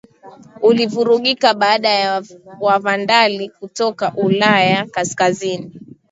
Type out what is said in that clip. ulivurugika baada ya Wavandali kutoka Ulaya Kaskazini